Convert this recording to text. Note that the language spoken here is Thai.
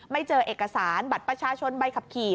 ไม่เจอเอกสารบัตรประชาชนใบขับขี่